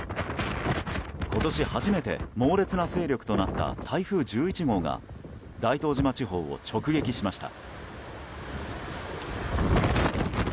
今年初めて猛烈な勢力となった台風１１号が大東島地方を直撃しました。